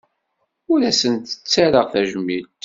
Ur asent-ttarraɣ tajmilt.